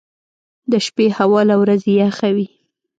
• د شپې هوا له ورځې یخه وي.